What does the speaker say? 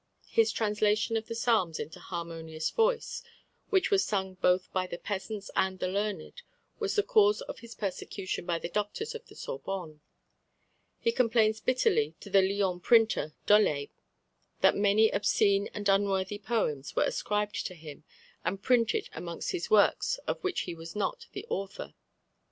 His translation of the Psalms into harmonious verse, which was sung both by the peasants and the learned, was the cause of his persecution by the doctors of the Sorbonne. He complains bitterly to the Lyons printer, Dolet, that many obscene and unworthy poems were ascribed to him and printed amongst his works of which he was not the author.